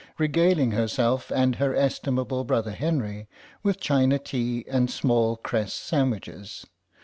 regaling herself and her estimable brother Henry with China tea and small cress sandwiches.